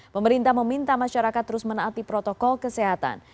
pemerintah meminta masyarakat terus menaati protokol kesehatan